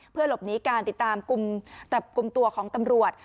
เพื่อหลบหนีการติดตามจับกลุ่มตัวของตำรวจ